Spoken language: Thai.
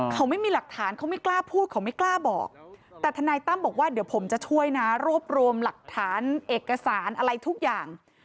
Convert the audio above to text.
เขาไม่มีหลักฐานเขาไม่กล้าพูดเขาไม่กล้าบอกแต่ทนายตั้มบอกว่าเดี๋ยวผมจะช่วยนะรวบรวมหลักฐานเอกสารอะไรทุกอย่าง